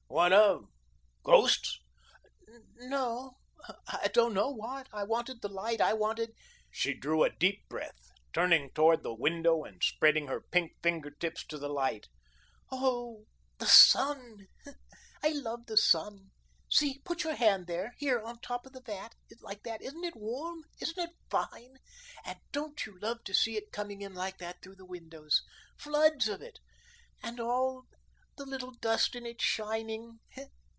What of ghosts?" "N no; I don't know what. I wanted the light, I wanted " She drew a deep breath, turning towards the window and spreading her pink finger tips to the light. "Oh, the SUN. I love the sun. See, put your hand there here on the top of the vat like that. Isn't it warm? Isn't it fine? And don't you love to see it coming in like that through the windows, floods of it; and all the little dust in it shining?